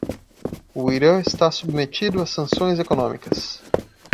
O Irã está submetido a sanções econômicas